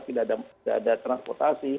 tidak ada transportasi gitu